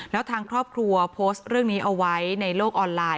แล้วทางครอบครัวโพสต์เรื่องนี้เอาไว้ในโลกออนไลน์